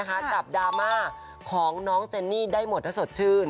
กับดราม่าของน้องเจนนี่ได้หมดถ้าสดชื่น